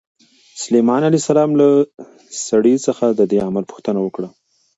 سلیمان علیه السلام له سړي څخه د دې عمل پوښتنه وکړه.